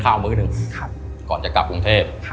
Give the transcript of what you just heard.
มื้อหนึ่งก่อนจะกลับกรุงเทพ